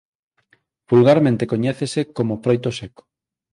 Vulgarmente coñécese como froito seco.